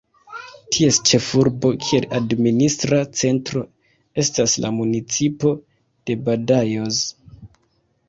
Ties ĉefurbo, kiel administra centro, estas la municipo de Badajoz.